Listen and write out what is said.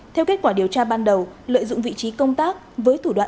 theo kết quả điều tra ban đầu lợi dụng vị trí công tác với thủ đoạn